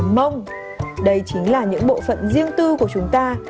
mông đây chính là những bộ phận riêng tư của chúng ta